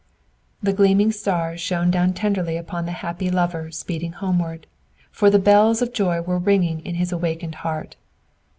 The gleaming stars shone down tenderly upon the happy lover speeding homeward, for the bells of joy were ringing in his awakened heart.